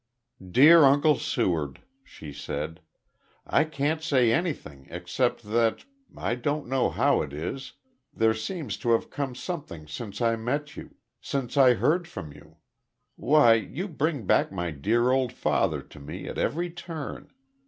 "Dear Uncle Seward," she said. "I can't say anything except that I don't know how it is there seems to have come something since I met you since I heard from you. Why, you bring back my dear old father to me at every turn.